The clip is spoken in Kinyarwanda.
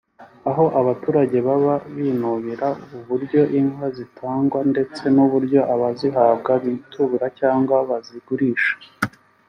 aho abaturage baba binubira uburyo inka zitangwa ndetse n’uburyo abazihabwa bitura cyangwa bazigurisha